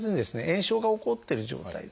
炎症が起こってる状態。